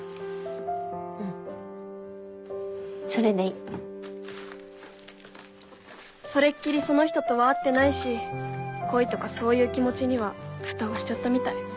うんそれでいいそれっきりその人とは会ってないし恋とかそういう気持ちにはフタをしちゃったみたい。